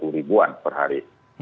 tiga puluh ribuan per hari